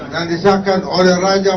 dan disaksikan oleh raja